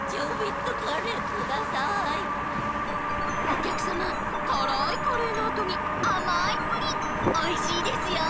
おきゃくさまからいカレーのあとにあまいプリンおいしいですよ。